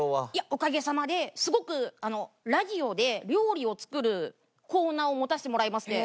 おかげさまですごくラジオで料理を作るコーナーを持たせてもらいまして。